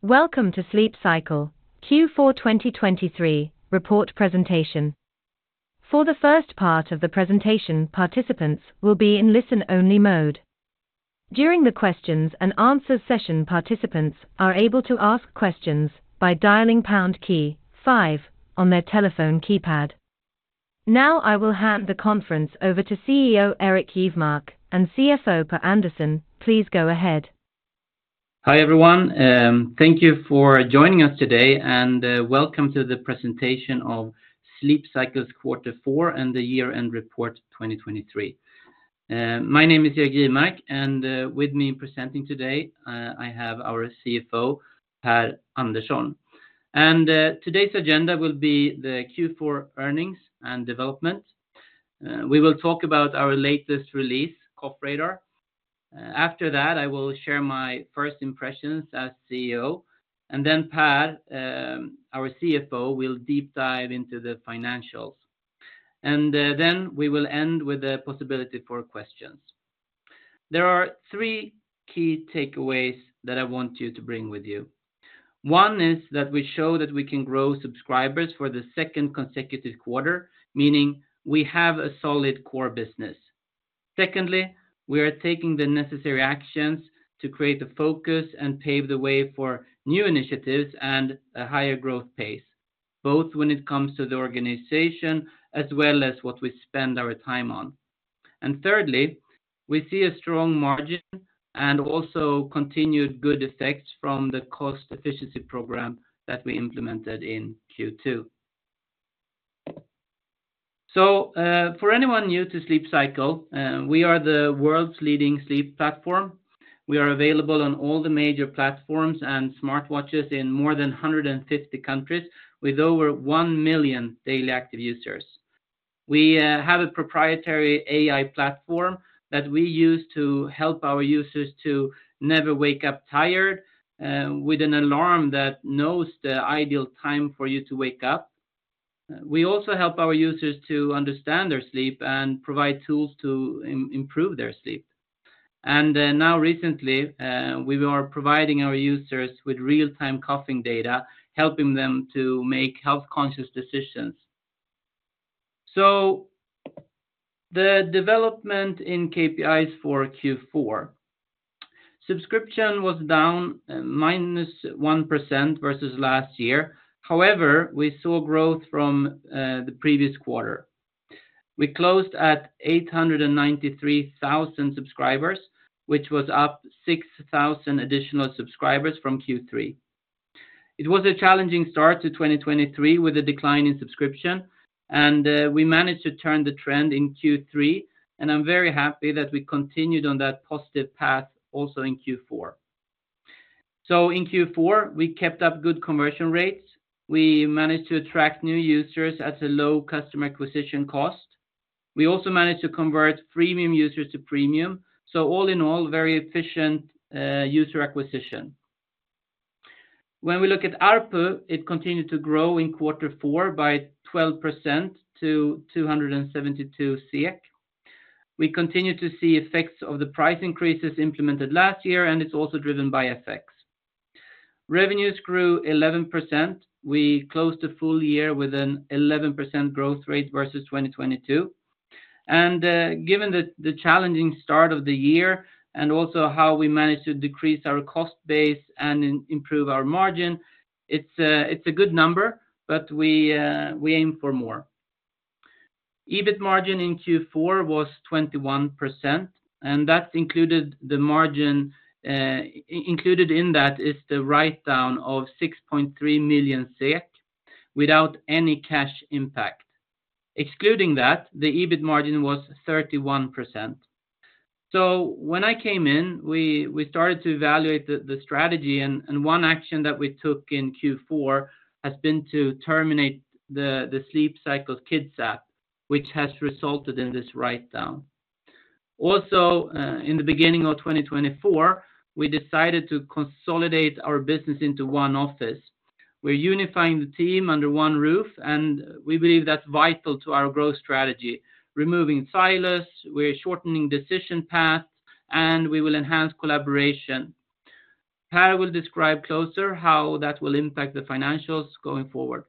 Welcome to Sleep Cycle Q4 2023 Report Presentation. For the first part of the presentation, participants will be in listen-only mode. During the questions and answers session, participants are able to ask questions by dialing pound key five on their telephone keypad. Now, I will hand the conference over to CEO, Erik Jivmark, and CFO, Per Andersson. Please go ahead. Hi, everyone. Thank you for joining us today, and welcome to the presentation of Sleep Cycle's Quarter Four and the Year-End Report 2023. My name is Erik Jivmark, and with me presenting today, I have our CFO, Per Andersson. Today's agenda will be the Q4 earnings and development. We will talk about our latest release, Cough Radar. After that, I will share my first impressions as CEO, and then Per, our CFO, will deep dive into the financials. Then we will end with the possibility for questions. There are three key takeaways that I want you to bring with you. One is that we show that we can grow subscribers for the second consecutive quarter, meaning we have a solid core business. Secondly, we are taking the necessary actions to create a focus and pave the way for new initiatives and a higher growth pace, both when it comes to the organization as well as what we spend our time on. And thirdly, we see a strong margin and also continued good effects from the cost efficiency program that we implemented in Q2. So, for anyone new to Sleep Cycle, we are the world's leading sleep platform. We are available on all the major platforms and smartwatches in more than 150 countries, with over 1 million daily active users. We have a proprietary AI platform that we use to help our users to never wake up tired, with an alarm that knows the ideal time for you to wake up. We also help our users to understand their sleep and provide tools to improve their sleep. And now recently, we are providing our users with real-time coughing data, helping them to make health-conscious decisions. So the development in KPIs for Q4. Subscriptions were down -1% versus last year. However, we saw growth from the previous quarter. We closed at 893,000 subscribers, which was up 6,000 additional subscribers from Q3. It was a challenging start to 2023, with a decline in subscription, and we managed to turn the trend in Q3, and I'm very happy that we continued on that positive path also in Q4. So in Q4, we kept up good conversion rates. We managed to attract new users at a low customer acquisition cost. We also managed to convert freemium users to premium, so all in all, very efficient user acquisition. When we look at ARPU, it continued to grow in quarter four by 12% to 272 SEK. We continue to see effects of the price increases implemented last year, and it's also driven by FX. Revenues grew 11%. We closed the full year with an 11% growth rate versus 2022. Given the challenging start of the year and also how we managed to decrease our cost base and improve our margin, it's a good number, but we aim for more. EBIT margin in Q4 was 21%, and that included the margin. Included in that is the write-down of 6.3 million SEK, without any cash impact. Excluding that, the EBIT margin was 31%. So when I came in, we started to evaluate the strategy, and one action that we took in Q4 has been to terminate the Sleep Cycle Kids app, which has resulted in this write-down. Also, in the beginning of 2024, we decided to consolidate our business into one office. We're unifying the team under one roof, and we believe that's vital to our growth strategy. Removing silos, we're shortening decision paths, and we will enhance collaboration. Per will describe closer how that will impact the financials going forward.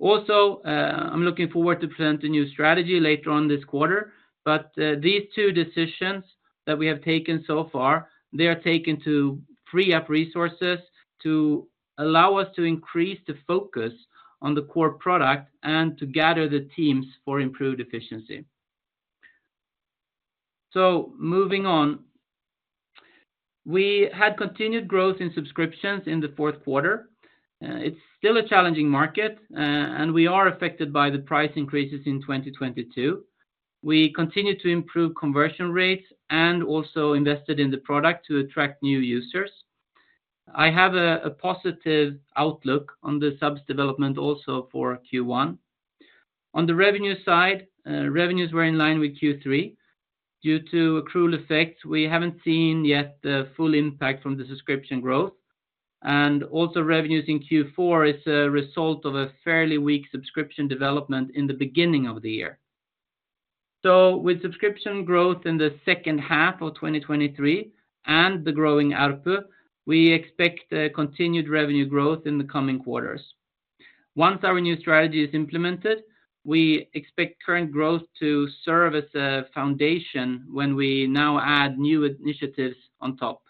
Also, I'm looking forward to present a new strategy later on this quarter, but these two decisions that we have taken so far, they are taken to free up resources to allow us to increase the focus on the core product and to gather the teams for improved efficiency. So moving on. We had continued growth in subscriptions in the fourth quarter. It's still a challenging market, and we are affected by the price increases in 2022. We continue to improve conversion rates and also invested in the product to attract new users. I have a positive outlook on the subs development also for Q1. On the revenue side, revenues were in line with Q3. Due to accrual effects, we haven't seen yet the full impact from the subscription growth. And also revenues in Q4 is a result of a fairly weak subscription development in the beginning of the year. So with subscription growth in the second half of 2023 and the growing ARPU, we expect a continued revenue growth in the coming quarters. Once our new strategy is implemented, we expect current growth to serve as a foundation when we now add new initiatives on top.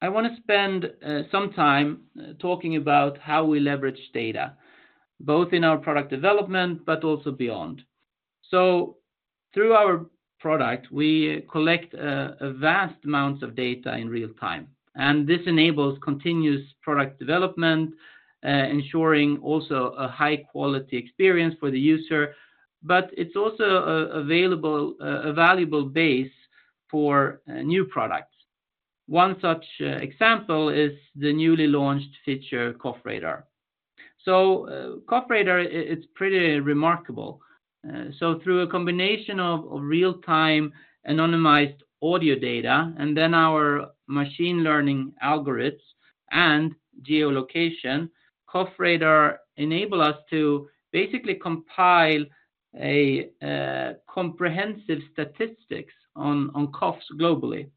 I want to spend some time talking about how we leverage data, both in our product development, but also beyond. So through our product, we collect a vast amounts of data in real time, and this enables continuous product development, ensuring also a high quality experience for the user, but it's also available, a valuable base for new products. One such example is the newly launched feature, Cough Radar. So Cough Radar is pretty remarkable. So through a combination of real-time anonymized audio data, and then our machine learning algorithms and geolocation, Cough Radar enable us to basically compile a comprehensive statistics on coughs globally.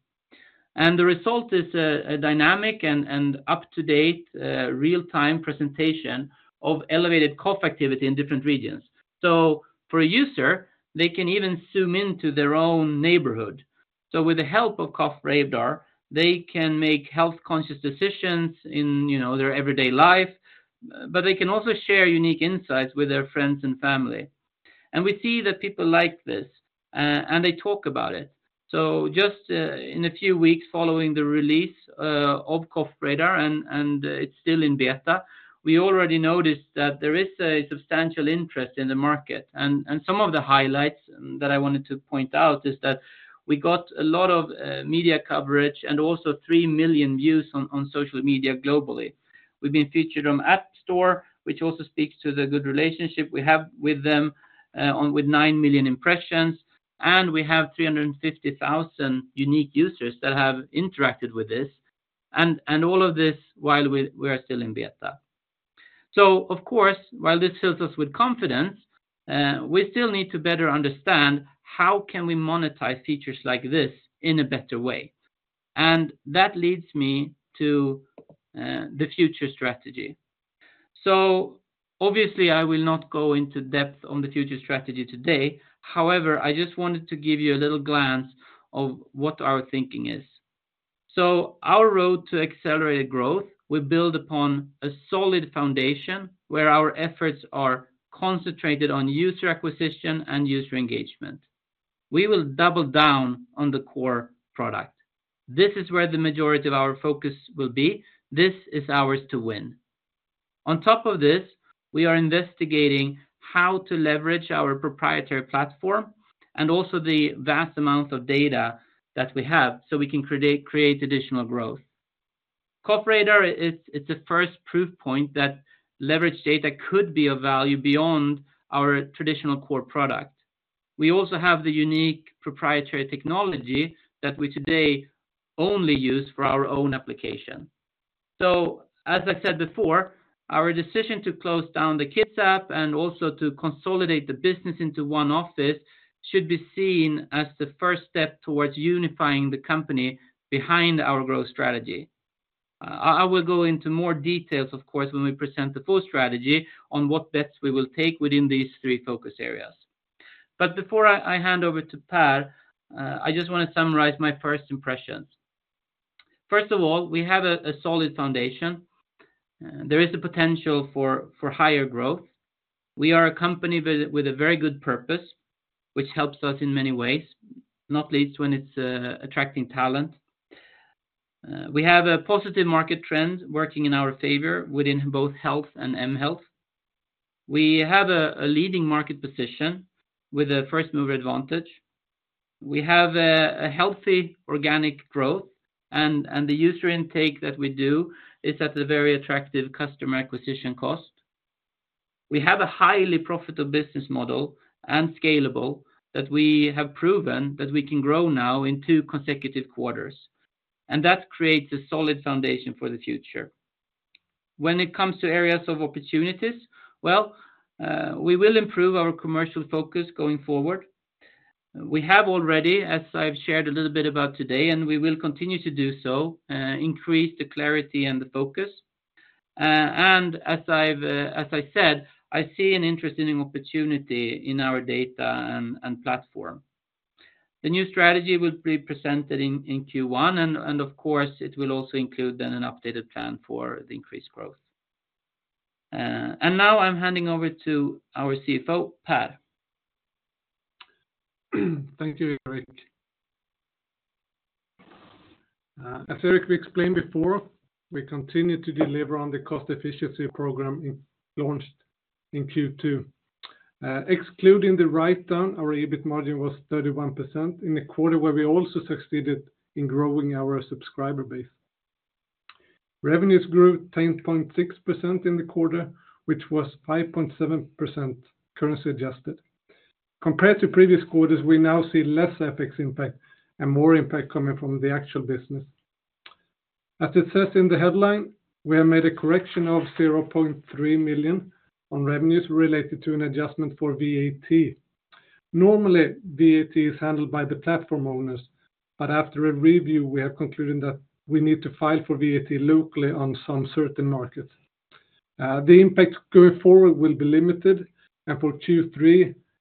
And the result is a dynamic and up-to-date, real-time presentation of elevated cough activity in different regions. So for a user, they can even zoom into their own neighborhood. So with the help of Cough Radar, they can make health-conscious decisions in, you know, their everyday life, but they can also share unique insights with their friends and family. And we see that people like this, and they talk about it. So just in a few weeks following the release of Cough Radar, and it's still in beta, we already noticed that there is a substantial interest in the market. And some of the highlights that I wanted to point out is that we got a lot of media coverage and also 3 million views on social media globally. We've been featured on App Store, which also speaks to the good relationship we have with them, on with 9 million impressions, and we have 350,000 unique users that have interacted with this, and all of this while we are still in beta. So of course, while this fills us with confidence, we still need to better understand how can we monetize features like this in a better way. And that leads me to the future strategy. So obviously, I will not go into depth on the future strategy today. However, I just wanted to give you a little glance of what our thinking is. So our road to accelerated growth will build upon a solid foundation, where our efforts are concentrated on user acquisition and user engagement. We will double down on the core product. This is where the majority of our focus will be. This is ours to win. On top of this, we are investigating how to leverage our proprietary platform and also the vast amounts of data that we have, so we can create additional growth. Cough Radar is. It's the first proof point that leveraged data could be of value beyond our traditional core product. We also have the unique proprietary technology that we today only use for our own application. So as I said before, our decision to close down the Kids app and also to consolidate the business into one office should be seen as the first step towards unifying the company behind our growth strategy. I will go into more details, of course, when we present the full strategy on what bets we will take within these three focus areas. But before I hand over to Per, I just want to summarize my first impressions. First of all, we have a solid foundation. There is a potential for higher growth. We are a company with a very good purpose, which helps us in many ways, not least when it's attracting talent. We have a positive market trend working in our favor within both health and mHealth. We have a leading market position with a first-mover advantage. We have a healthy organic growth, and the user intake that we do is at a very attractive customer acquisition cost. We have a highly profitable business model and scalable, that we have proven that we can grow now in two consecutive quarters, and that creates a solid foundation for the future. When it comes to areas of opportunities, well, we will improve our commercial focus going forward. We have already, as I've shared a little bit about today, and we will continue to do so, increase the clarity and the focus. As I said, I see an interesting opportunity in our data and platform. The new strategy will be presented in Q1, and of course, it will also include then an updated plan for the increased growth. Now I'm handing over to our CFO, Per. Thank you, Erik. As Erik explained before, we continue to deliver on the cost efficiency program launched in Q2. Excluding the write-down, our EBIT margin was 31% in the quarter, where we also succeeded in growing our subscriber base. Revenues grew 10.6% in the quarter, which was 5.7% currency adjusted. Compared to previous quarters, we now see less FX impact and more impact coming from the actual business. As it says in the headline, we have made a correction of 0.3 million on revenues related to an adjustment for VAT. Normally, VAT is handled by the platform owners, but after a review, we have concluded that we need to file for VAT locally on some certain markets. The impact going forward will be limited, and for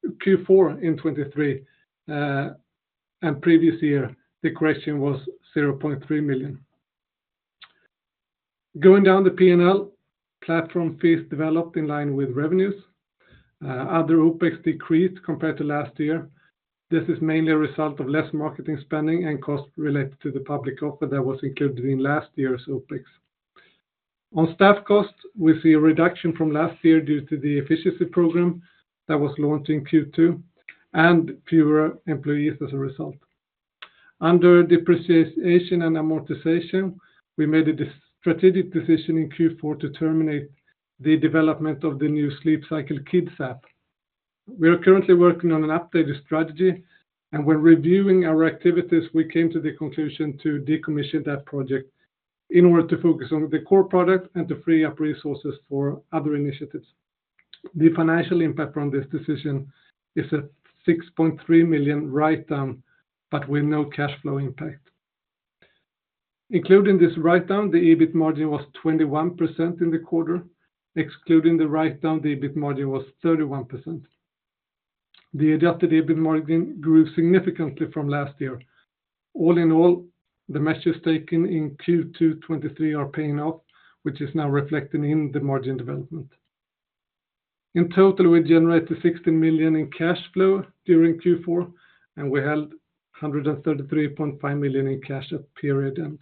Q3-Q4 in 2023, and previous year, the question was 0.3 million. Going down the P&L, platform fees developed in line with revenues. Other OpEx decreased compared to last year. This is mainly a result of less marketing spending and cost related to the public offer that was included in last year's OpEx. On staff costs, we see a reduction from last year due to the efficiency program that was launched in Q2, and fewer employees as a result. Under depreciation and amortization, we made a strategic decision in Q4 to terminate the development of the new Sleep Cycle Kids app. We are currently working on an updated strategy, and when reviewing our activities, we came to the conclusion to decommission that project in order to focus on the core product and to free up resources for other initiatives. The financial impact from this decision is a 6.3 million write-down, but with no cash flow impact. Including this write-down, the EBIT margin was 21% in the quarter. Excluding the write-down, the EBIT margin was 31%. The adjusted EBIT margin grew significantly from last year. All in all, the measures taken in Q2 2023 are paying off, which is now reflected in the margin development. In total, we generated 16 million in cash flow during Q4, and we held 133.5 million in cash at period end.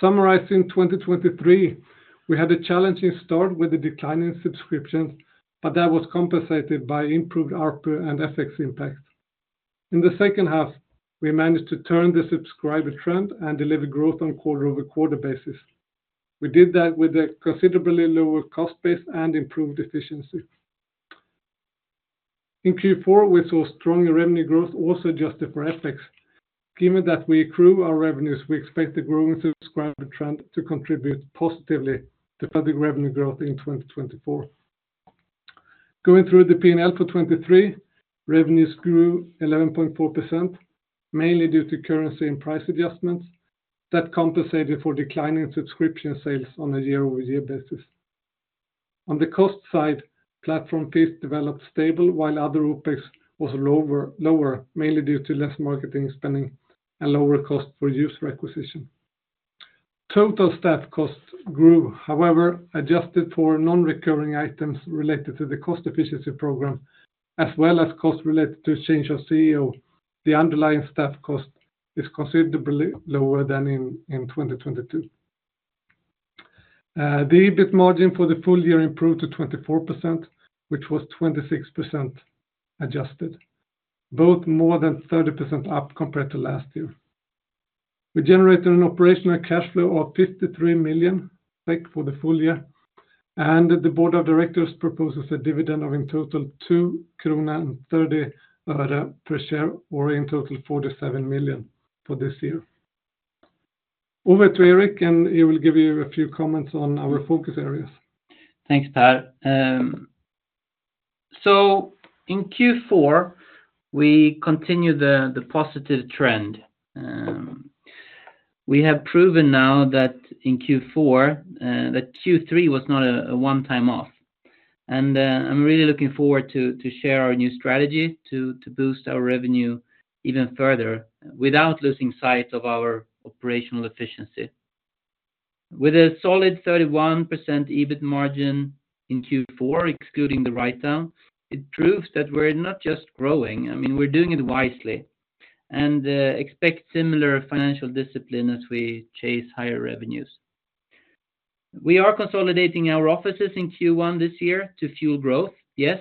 Summarizing 2023, we had a challenging start with the decline in subscriptions, but that was compensated by improved ARPU and FX impact. In the second half, we managed to turn the subscriber trend and deliver growth on a quarter-over-quarter basis. We did that with a considerably lower cost base and improved efficiency. In Q4, we saw strong revenue growth, also adjusted for FX. Given that we accrue our revenues, we expect the growing subscriber trend to contribute positively to revenue growth in 2024. Going through the P&L for 2023, revenues grew 11.4%, mainly due to currency and price adjustments. That compensated for declining subscription sales on a year-over-year basis. On the cost side, platform fees developed stable, while other OpEx was lower, mainly due to less marketing spending and lower cost for user acquisition. Total staff costs grew, however, adjusted for non-recurring items related to the cost efficiency program, as well as costs related to change of CEO, the underlying staff cost is considerably lower than in 2022. The EBIT margin for the full year improved to 24%, which was 26% adjusted, both more than 30% up compared to last year. We generated an operational cash flow of 53 million for the full year, and the board of directors proposes a dividend of in total 2.30 krona per share, or in total 47 million for this year. Over to Erik, and he will give you a few comments on our focus areas. Thanks, Per. So in Q4, we continued the positive trend. We have proven now that in Q4, that Q3 was not a one-time off. And I'm really looking forward to share our new strategy to boost our revenue even further without losing sight of our operational efficiency. With a solid 31% EBIT margin in Q4, excluding the write-down, it proves that we're not just growing. I mean, we're doing it wisely, and expect similar financial discipline as we chase higher revenues. We are consolidating our offices in Q1 this year to fuel growth. Yes,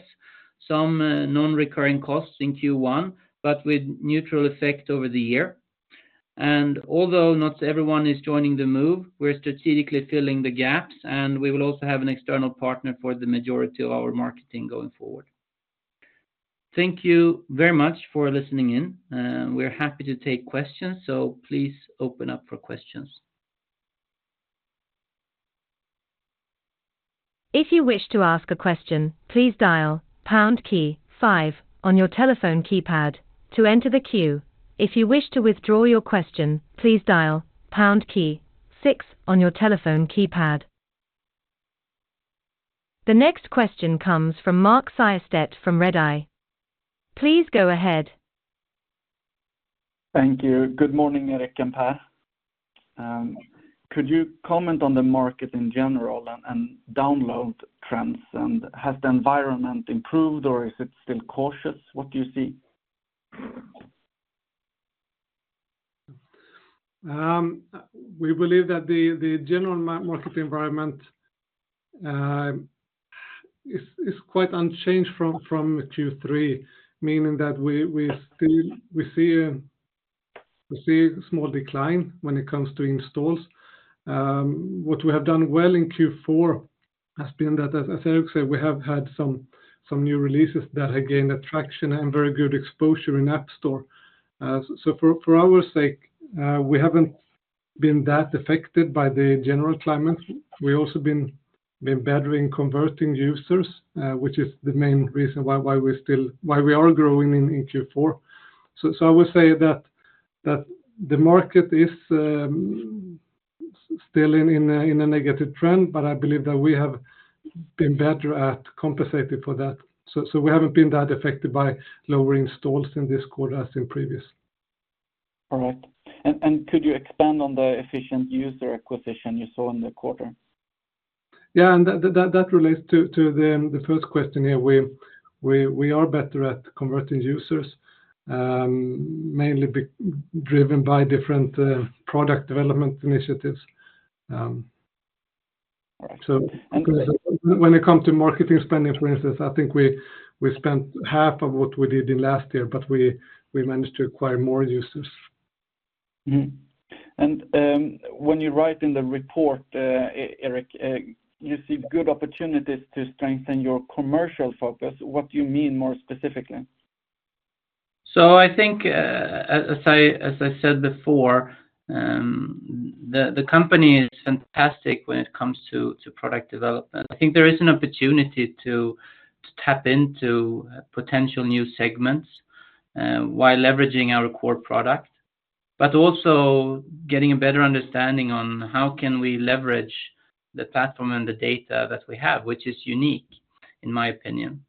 some non-recurring costs in Q1, but with neutral effect over the year. And although not everyone is joining the move, we're strategically filling the gaps, and we will also have an external partner for the majority of our marketing going forward. Thank you very much for listening in, and we're happy to take questions, so please open up for questions. If you wish to ask a question, please dial pound key five on your telephone keypad to enter the queue. If you wish to withdraw your question, please dial pound key six on your telephone keypad. The next question comes from Mark Sjöstedt from Redeye. Please go ahead. Thank you. Good morning, Erik and Per. Could you comment on the market in general and download trends? And has the environment improved or is it still cautious? What do you see? We believe that the general market environment is quite unchanged from Q3, meaning that we still see a small decline when it comes to installs. What we have done well in Q4 has been that, as Erik said, we have had some new releases that have gained attraction and very good exposure in App Store. So for our sake, we haven't been that affected by the general climate. We also been better in converting users, which is the main reason why we are growing in Q4. So I would say that the market is still in a negative trend, but I believe that we have been better at compensating for that. So, we haven't been that affected by lowering installs in this quarter as in previous. All right. Could you expand on the efficient user acquisition you saw in the quarter? Yeah, and that relates to the first question here, where we are better at converting users, mainly be driven by different product development initiatives. So when it comes to marketing spending, for instance, I think we spent half of what we did in last year, but we managed to acquire more users. Mm-hmm. And when you write in the report, Erik, you see good opportunities to strengthen your commercial focus. What do you mean more specifically? So I think, as I said before, the company is fantastic when it comes to product development. I think there is an opportunity to tap into potential new segments, while leveraging our core product, but also getting a better understanding on how can we leverage the platform and the data that we have, which is unique, in my opinion.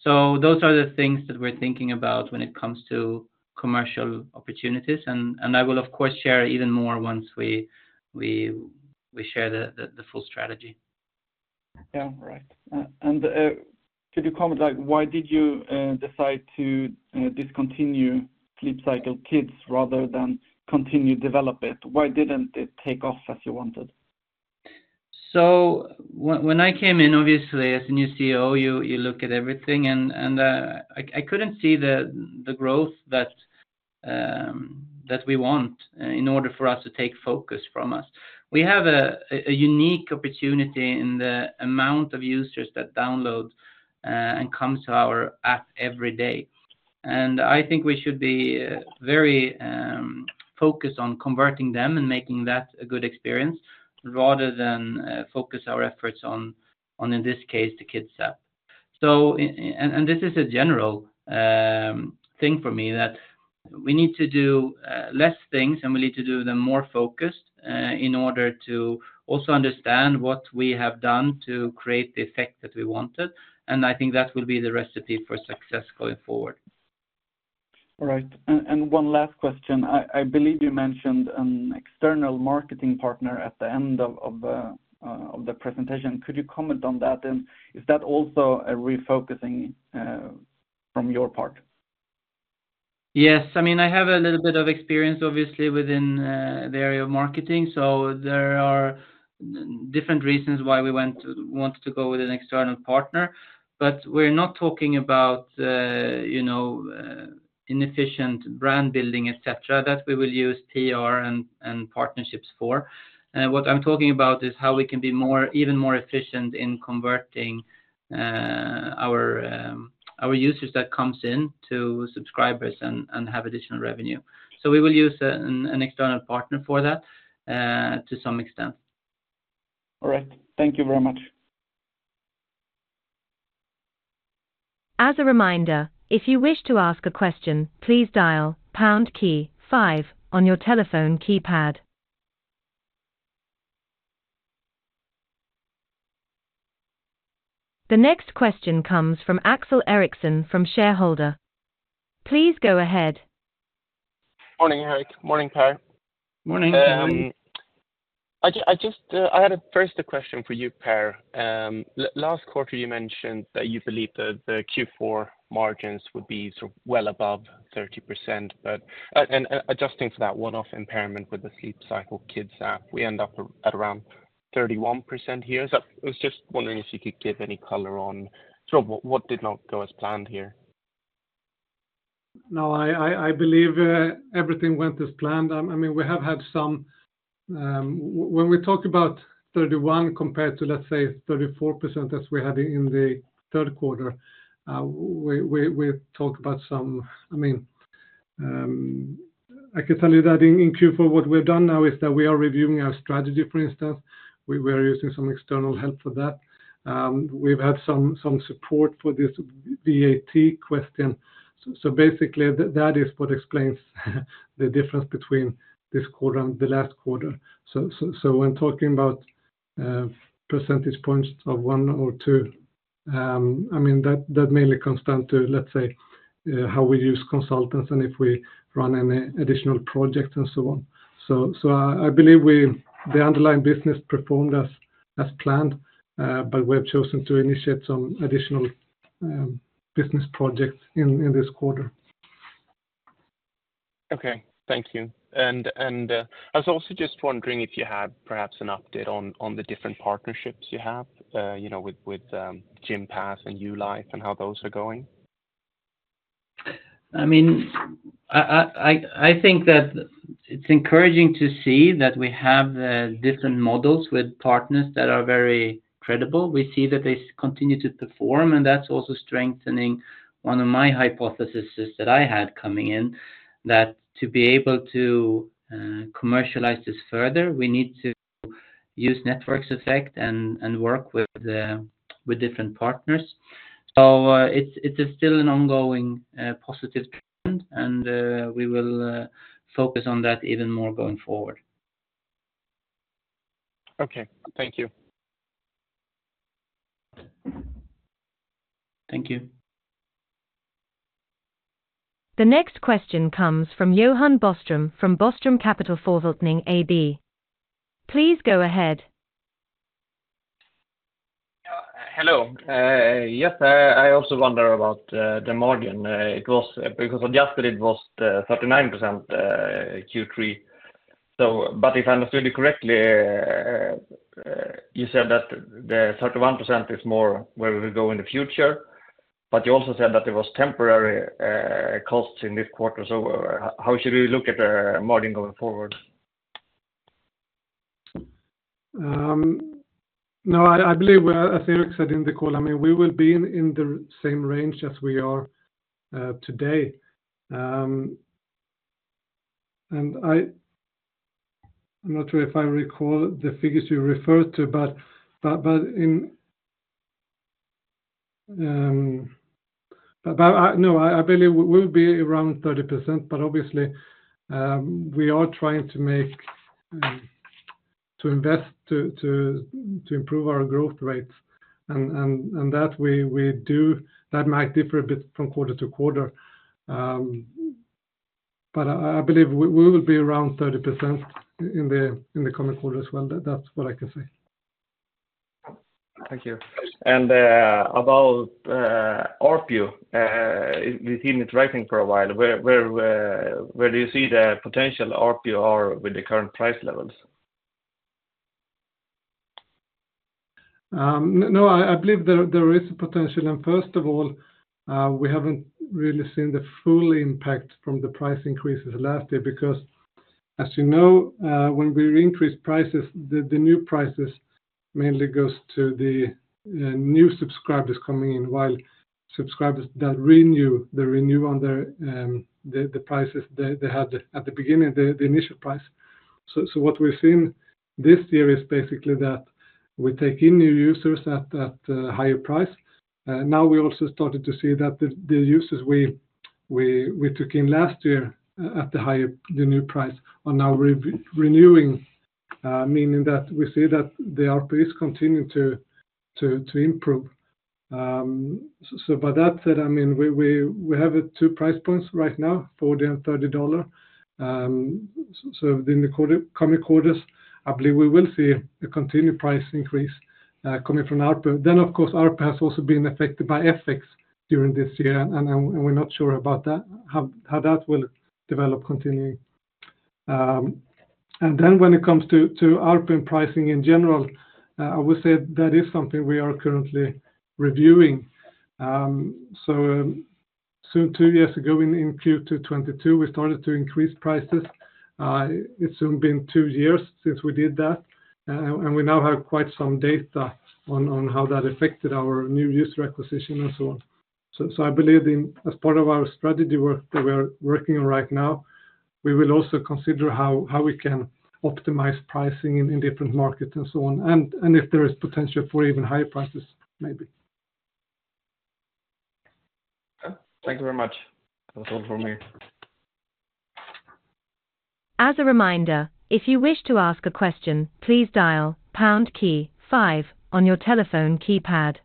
So those are the things that we're thinking about when it comes to commercial opportunities, and I will, of course, share even more once we share the full strategy. Yeah. Right. And could you comment, like, why did you decide to discontinue Sleep Cycle Kids rather than continue to develop it? Why didn't it take off as you wanted? So when I came in, obviously, as a new CEO, you look at everything, and I couldn't see the growth that we want in order for us to take focus from us. We have a unique opportunity in the amount of users that download and come to our app every day. And I think we should be very focused on converting them and making that a good experience rather than focus our efforts on, in this case, the Kids app. So, and this is a general thing for me, that we need to do less things, and we need to do them more focused in order to also understand what we have done to create the effect that we wanted. And I think that will be the recipe for success going forward. All right. And one last question: I believe you mentioned an external marketing partner at the end of the presentation. Could you comment on that? And is that also a refocusing from your part? Yes. I mean, I have a little bit of experience, obviously, within the area of marketing, so there are different reasons why we wanted to go with an external partner. But we're not talking about, you know, inefficient brand building, etc., that we will use PR and partnerships for. What I'm talking about is how we can be more, even more efficient in converting our users that comes in to subscribers and have additional revenue. So we will use an external partner for that, to some extent. All right. Thank you very much. As a reminder, if you wish to ask a question, please dial pound key five on your telephone keypad. The next question comes from Axel Ericsson from shareholder. Please go ahead. Morning, Erik. Morning, Per. Morning. I just had first a question for you, Per. Last quarter, you mentioned that you believe that the Q4 margins would be sort of well above 30%, but and adjusting for that one-off impairment with the Sleep Cycle Kids app, we end up at around 31% here. So I was just wondering if you could give any color on sort of what did not go as planned here? No, I believe everything went as planned. I mean, we have had some... When we talk about 31 compared to, let's say, 34%, as we had in the third quarter, we talk about some. I mean, I can tell you that in Q4, what we've done now is that we are reviewing our strategy, for instance. We were using some external help for that. We've had some support for this VAT question. So when talking about percentage points of 1 or 2, I mean, that mainly comes down to, let's say, how we use consultants and if we run any additional projects and so on. So, I believe the underlying business performed as planned, but we have chosen to initiate some additional business projects in this quarter. Okay. Thank you. And I was also just wondering if you had perhaps an update on the different partnerships you have, you know, with Gympass and YuLife, and how those are going? I mean, I think that it's encouraging to see that we have different models with partners that are very credible. We see that they continue to perform, and that's also strengthening one of my hypotheses that I had coming in, that to be able to commercialize this further, we need to use network effect and work with different partners. So, it is still an ongoing positive trend, and we will focus on that even more going forward. Okay. Thank you. Thank you. The next question comes from Johan Boström, from Boström Capital Förvaltning AB. Please go ahead. Yeah. Hello. Yes, I also wonder about the margin. It was because adjusted, it was 39% Q3. So, but if I understood you correctly, you said that the 31% is more where we will go in the future, but you also said that there was temporary costs in this quarter. So how should we look at the margin going forward? No, I believe, as Erik said in the call, I mean, we will be in the same range as we are today. I'm not sure if I recall the figures you referred to, but no, I believe we will be around 30%, but obviously, we are trying to make to invest to improve our growth rates, and that we do, that might differ a bit from quarter to quarter. But I believe we will be around 30% in the coming quarter as well. That's what I can say. Thank you. And about ARPU, we've seen it rising for a while. Where do you see the potential ARPU are with the current price levels? No, I believe there is potential, and first of all, we haven't really seen the full impact from the price increases last year, because as you know, when we increase prices, the new prices mainly goes to the new subscribers coming in, while subscribers that renew, they renew on their the prices they had at the beginning, the initial price. So what we've seen this year is basically that we take in new users at higher price. Now, we also started to see that the users we took in last year, at the higher, the new price, are now re-renewing, meaning that we see that the ARPUs continuing to improve. With that said, I mean, we have two price points right now, $40 and $30. So in the coming quarters, I believe we will see a continued price increase coming from ARPU. Then, of course, ARPU has also been affected by FX during this year, and we're not sure about that, how that will develop continuing. And then when it comes to ARPU pricing in general, I would say that is something we are currently reviewing. So two years ago, in Q2 2022, we started to increase prices. It's soon been two years since we did that, and we now have quite some data on how that affected our new user acquisition and so on. So, I believe in, as part of our strategy work that we are working on right now, we will also consider how we can optimize pricing in different markets and so on, and if there is potential for even higher prices, maybe. Thank you very much. That's all for me. As a reminder, if you wish to ask a question, please dial pound key five on your telephone keypad.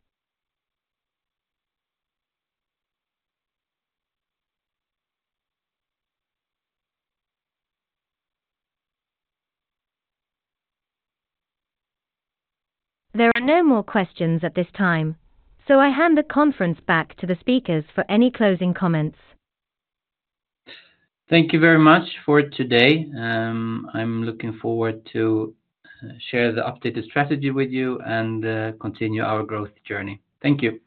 There are no more questions at this time, so I hand the conference back to the speakers for any closing comments. Thank you very much for today. I'm looking forward to share the updated strategy with you and continue our growth journey. Thank you.